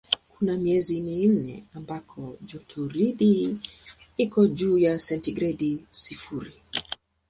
Kuna miezi minne ambako jotoridi iko juu ya sentigredi sifuri.